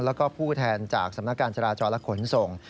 แล้วก็ผู้แทนจากสำนักการจราจรและขนส่ง